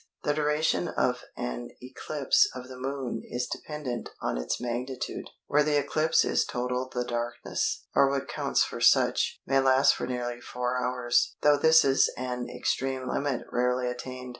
The duration of an eclipse of the Moon is dependent on its magnitude. Where the eclipse is total the darkness, or what counts for such, may last for nearly 4 hours, though this is an extreme limit rarely attained.